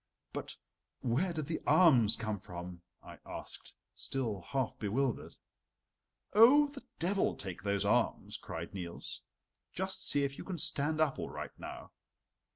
"But where did the arms come from?" I asked, still half bewildered. "Oh, the devil take those arms," cried Niels. "Just see if you can stand up all right now.